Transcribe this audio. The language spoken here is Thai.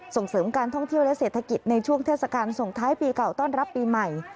ส่งเสริมการท่องเที่ยวและเศรษฐกิจในช่วงเทศกาลส่งท้ายปีเก่าต้อนรับปีใหม่